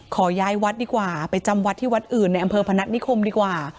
ขอย้ายวัดดีกว่าไปจำวัดที่วัดอื่นในอำเภอพนัฐนิคมดีกว่า